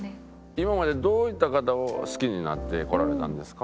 今までどういった方を好きになってこられたんですか？